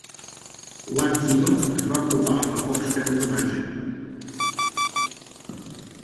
One Zero es va apropar a pocs peus de Baggett.